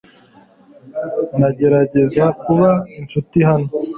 Ndagerageza kuba inshuti hano .